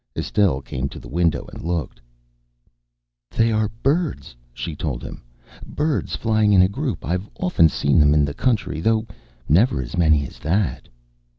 Estelle came to the window and looked. "They are birds," she told him. "Birds flying in a group. I've often seen them in the country, though never as many as that."